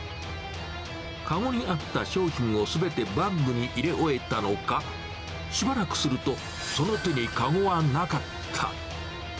籠にあった商品をすべてバッグに入れ終えたのか、しばらくすると、その手に籠はなかった。